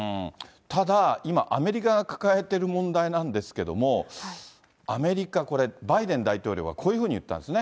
ただ、今、アメリカが抱えている問題なんですけれども、アメリカ、これ、バイデン大統領が、こういうふうに言ったんですね。